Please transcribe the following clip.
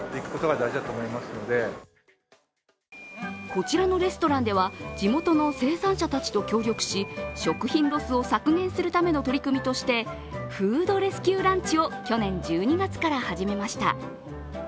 こちらのレストランでは地元の生産者たちと協力し、食品ロスを削減するための取り組みとしてフードレスキューランチを去年１２月から始めました。